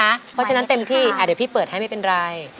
เพราะฉะนั้นเต็มที่เดี๋ยวพี่เปิดให้ไม่เป็นไร